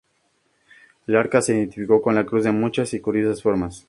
El arca se identificó con la cruz de muchas y curiosas formas.